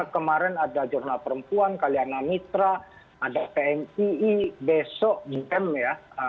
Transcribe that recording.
kemarin ada jurnal perempuan kaliana mitra ada pmii besok jam ya